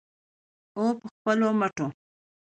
او په خپلو مټو.